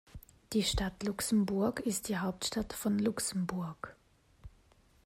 Die Stadt Luxemburg ist die Hauptstadt von Luxemburg.